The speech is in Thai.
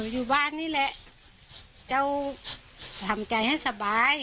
อยู่บ้านนี่แหละเจ้าทำใจให้สบาย